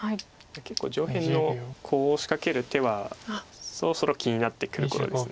結構上辺のコウを仕掛ける手はそろそろ気になってくる頃です。